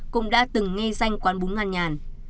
cũng đã từng nghe danh quán bún ngăn nhàn